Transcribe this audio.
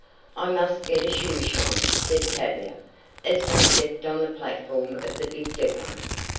"I must get a shoe shine," said Tavia, as they stepped on the platform of the big depot.